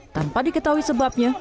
tanpa diketahui sebabnya